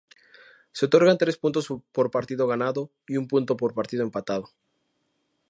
Se otorgan tres puntos por partido ganado y un punto por partido empatado.